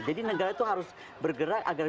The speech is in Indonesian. jadi negara itu harus bergerak agar